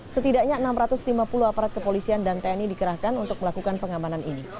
setidaknya enam ratus lima puluh aparat kepolisian dan tni dikerahkan untuk melakukan pengamanan ini